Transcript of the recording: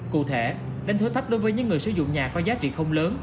cụ thể đánh thuế thấp đối với những người sử dụng nhà có giá trị không lớn